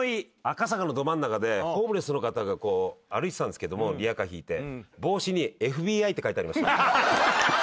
赤坂のど真ん中でホームレスの方が歩いてたんですけどもリヤカー引いて。って書いてありました。